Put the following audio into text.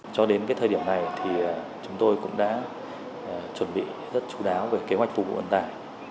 cho đến cái thời điểm này thì chúng tôi cũng đã chuẩn bị rất chú đáo về kế hoạch phục vụ ấn tài